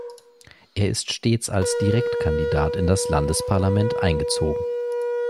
Er ist stets als Direktkandidat in das Landesparlament eingezogen.